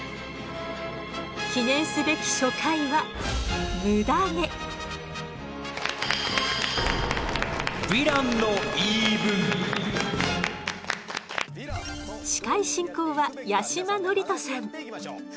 記念すべき初回は司会進行は八嶋智人さん。